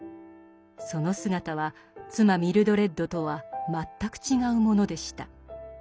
その姿は妻ミルドレッドとは全く違うものでした。